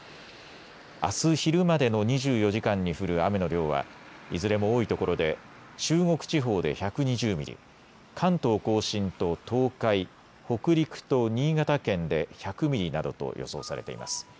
あす昼までの２４時間に降る雨の量はいずれも多いところで中国地方で１２０ミリ、関東甲信と東海、北陸と新潟県で１００ミリなどと予想されています。